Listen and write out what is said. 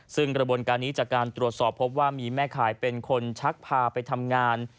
ซึ่งกระบวนการนี้จากการตรวจสอบพบว่ามีแม่ขายเป็นคนชักพาไปทำงาน